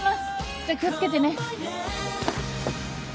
じゃあ気を付けてね。